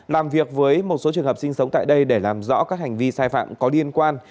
làm việc với một số trường hợp sinh sống tại đây để làm rõ các hành vi sai phạm có liên quan